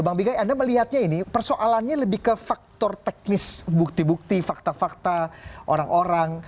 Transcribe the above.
bang bige anda melihatnya ini persoalannya lebih ke faktor teknis bukti bukti fakta fakta orang orang